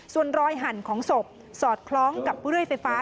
ส่วนรอยหั่นของศพสอดคล้องกับเรื่อยไฟฟ้า